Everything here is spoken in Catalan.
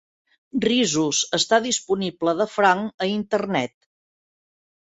"Risus" està disponible de franc a Internet.